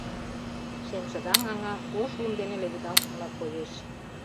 Шемшыдаҥ аҥа ош лум дене леведалтмыла коеш.